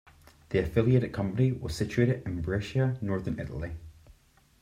The affiliated company was situated in Brescia, Northern Italy.